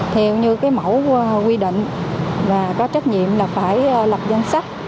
theo như cái mẫu quy định và có trách nhiệm là phải lập danh sách